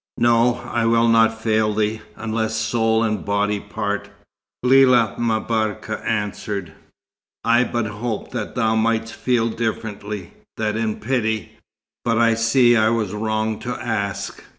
"No, I will not fail thee, unless soul and body part," Lella M'Barka answered. "I but hoped that thou mightest feel differently, that in pity but I see I was wrong to ask.